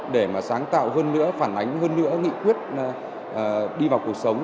để mà sáng tạo hơn nữa phản ánh hơn nữa nghị quyết đi vào cuộc sống